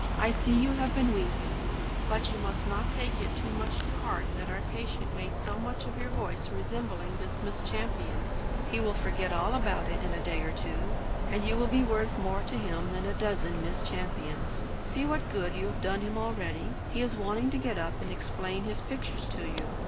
I see you have been weeping; but you must not take it too much to heart that our patient made so much of your voice resembling this Miss Champion's. He will forget all about it in a day or two, and you will be worth more to him than a dozen Miss Champions. See what good you have done him already. Here he is wanting to get up and explain his pictures to you.